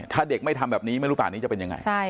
ถ้าเด็กไม่ทำแบบนี้ไม่รู้ป่านี้จะเป็นยังไง